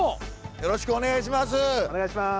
よろしくお願いします。